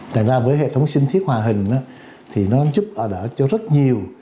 thành ra với hệ thống sinh thiết hòa hình thì nó giúp đỡ cho rất nhiều